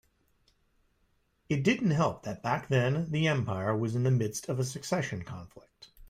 It didn't help that back then the empire was in the midst of a succession conflict.